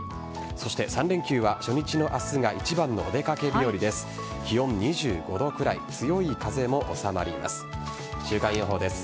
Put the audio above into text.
そして３連休は初日の明日が一番のお出かけ日和です。